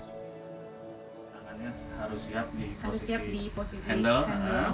tangan harus siap di posisi handle